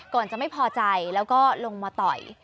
ก่อนจะไม่พอใจแล้วก็ลงมาต่อย